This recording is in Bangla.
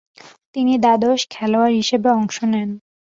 তিনি দ্বাদশ খেলোয়াড় হিসেবে অংশ নেন।